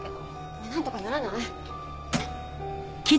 ねえなんとかならない？